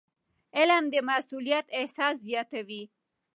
علم د مسؤلیت احساس زیاتوي.